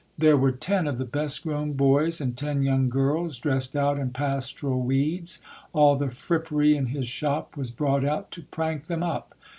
There were ten of the best grown boys, and ten young girls, dressed out in pastoral weeds ; all the fr'ppery in his shop was brought out to prank them up.